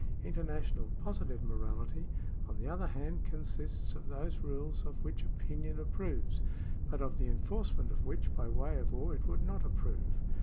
International positive morality, on the other hand, consists of those rules of which opinion approves, but of the enforcement of which by way of war it would not approve.